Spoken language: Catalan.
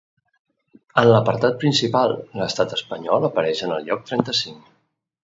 En l’apartat principal, l’estat espanyol apareix en el lloc trenta-cinc.